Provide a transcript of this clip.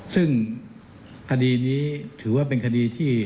ซึ่งคดีนี้ถือว่าเป็นคดีที่